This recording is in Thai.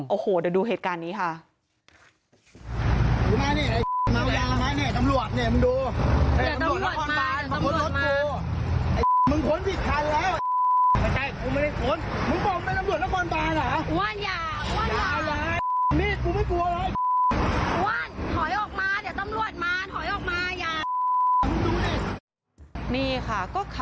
โอ้โหเดี๋ยวดูเหตุการณ์นี้ค่ะ